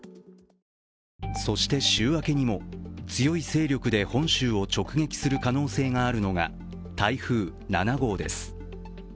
そして、週明けにも強い勢力で本州を直撃する可能性があるのが台風７号です。